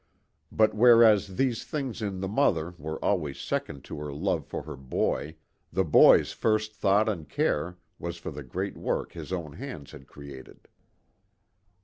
But whereas these things in the mother were always second to her love for her boy, the boy's first thought and care was for the great work his own hands had created.